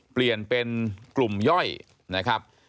เปลี่ยนเป็นกลุ่มย่อยนะครับ